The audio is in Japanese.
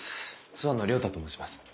諏訪野良太と申します。